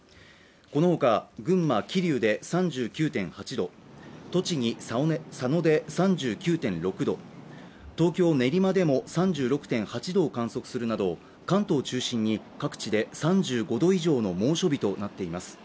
このほか群馬・桐生で３９．８度、栃木・佐野で３９．６度、東京・練馬でも３６．８度を観測するなど関東を中心に各地で３５度以上の猛暑日となっています。